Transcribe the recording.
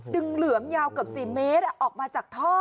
ดึงเหลือมยาวกับสี่เมตรออกมาจากท่อ